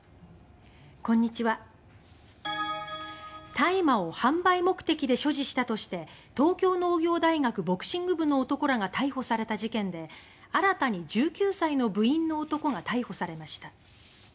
大麻を販売目的で所持したとして東京農業大学ボクシング部の男らが逮捕された事件で新たに１９歳の部員の男が逮捕されました。